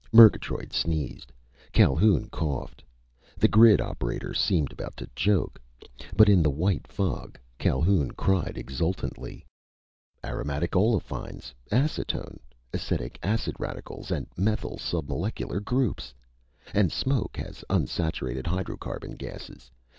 Murgatroyd sneezed. Calhoun coughed. The grid operator seemed about to choke. But in the white fog Calhoun cried exultantly: "Aromatic olefines! Acetone! Acetic acid radicals and methyl submolecular groups! And smoke has unsaturated hydrocarbon gases.